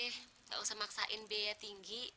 tidak usah maksain biaya tinggi